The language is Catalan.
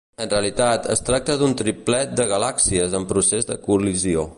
En realitat, es tracta d'un triplet de galàxies en procés de col·lisió.